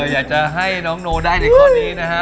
อยากจะให้น้องโนได้ในข้อนี้นะฮะ